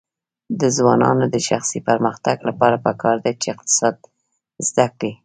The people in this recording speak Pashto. د ځوانانو د شخصي پرمختګ لپاره پکار ده چې اقتصاد زده کړي.